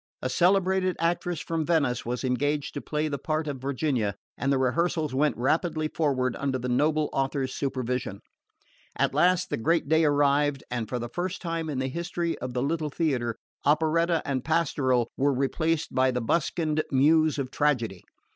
A celebrated actress from Venice was engaged to play the part of Virginia, and the rehearsals went rapidly forward under the noble author's supervision. At last the great day arrived, and for the first time in the history of the little theatre, operetta and pastoral were replaced by the buskined Muse of tragedy.